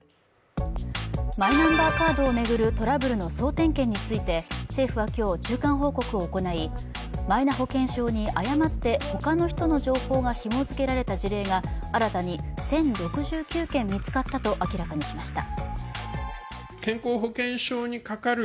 マイナンバーカードを巡るトラブルの総点検について政府は今日、中間報告を行い、マイナ保険証に誤って他の人の情報が紐づけられた事例が新たに１０６９件見つかったと明らかにしました。